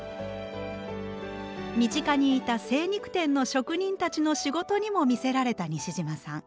身近にいた精肉店の職人たちの仕事にも魅せられた西島さん。